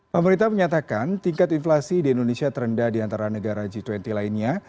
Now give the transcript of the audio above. pemerintah menyatakan tingkat inflasi di indonesia terendah di antara negara g dua puluh lainnya